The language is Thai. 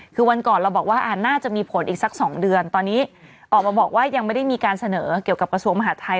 คือวันก่อนเราบอกว่าน่าจะมีผลอีกสัก๒เดือนตอนนี้ออกมาบอกว่ายังไม่ได้มีการเสนอเกี่ยวกับกระทรวงมหาทัย